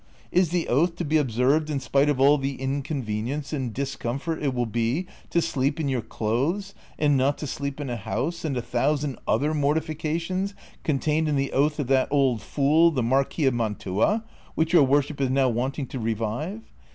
Is the oath to be observed in spite of all the inconvenience and discomfort it will be to sleep in your clothes, and not to sleep in a house, and a thousand other mortifications contained in the oath of that old fool, the Mar quis of Mantua, which your worship is now wanting to revive